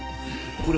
これ